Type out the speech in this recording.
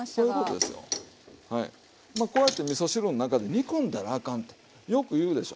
まあこうやってみそ汁の中で煮込んだらあかんとよく言うでしょ。